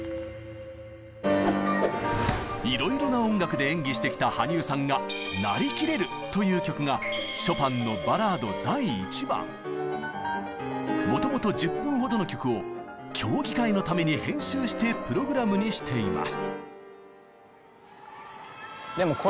いろいろな音楽で演技してきた羽生さんがもともと１０分ほどの曲を競技会のために編集してプログラムにしています。